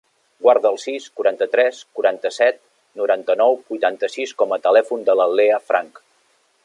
Guarda el sis, quaranta-tres, quaranta-set, noranta-nou, vuitanta-sis com a telèfon de la Leah Franch.